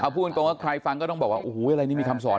พูดตรงว่าใครฟังก็ต้องบอกว่าโอ้โหอะไรนี่มีคำสอน